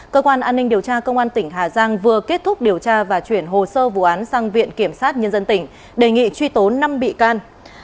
cơ quan an ninh điều tra công an tỉnh hà giang vừa kết thúc điều tra và chuyển hồ sơ vụ án sang viện kiểm sát nhân dân tỉnh đề nghị truy tố năm bị can